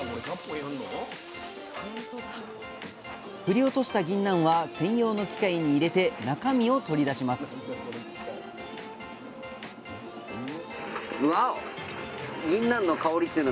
振り落としたぎんなんは専用の機械に入れて中身を取り出しますマヒしてる。